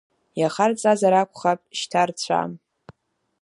Иахарҵазар акәхап шьҭа рцәа…